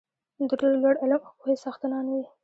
د ډېر لوړ علم او پوهې څښتنان وي.